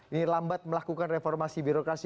ini lambat melakukan reformasi birokrasi